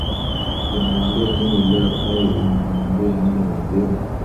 unawaambia nini leo au unamwambia nini mwenzio